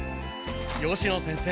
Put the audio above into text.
吉野先生